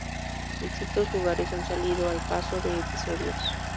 Distintos lugares han salido al paso de episodios.